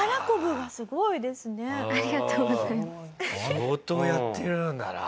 相当やってるんだな。